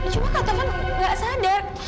cuma katovan gak sadar